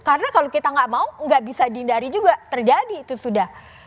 karena kalau kita gak mau gak bisa dihindari juga terjadi itu sudah